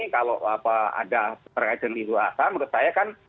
kalau ada perkejaan di luar sana menurut saya kan